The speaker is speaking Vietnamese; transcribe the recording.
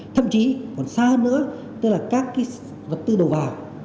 thậm chí còn xa nữa tức là các cái vật tư đầu vào